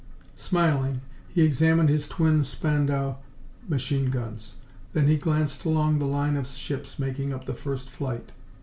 Smiling, he examined his twin Spandau machine guns. Then he glanced along the line of ships making up the first flight.